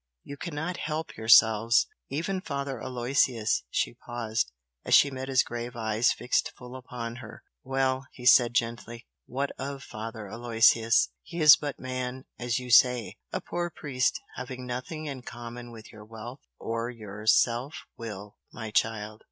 you cannot help yourselves! Even Father Aloysius " she paused, as she met his grave eyes fixed full upon her. "Well!" he said gently "What of Father Aloysius? He is 'but man' as you say! a poor priest having nothing in common with your wealth or your self will, my child!